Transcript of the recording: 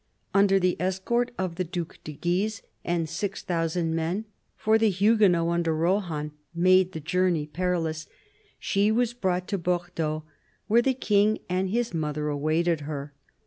Under the escort of the Due de Guise and six thousand men — for the Huguenots, under Rohan, made the journey perilous — she was brought to Bordeaux, where the King and his mother awaited her.